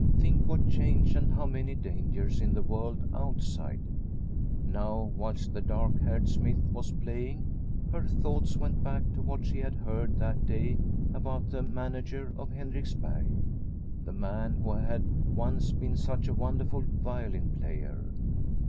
Think what change and how many dangers in the world outside ! Now whilst the dark haired smith was playing, her thoughts went back to what she had heard that day about the manager of Henriksberg, the man who had once been such a wonderful violin player.